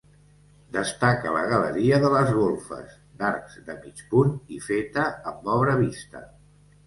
Destaca la galeria de les golfes, d'arcs de mig punt i feta amb obra vista.